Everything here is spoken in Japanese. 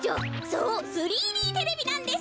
そう３Ｄテレビなんです。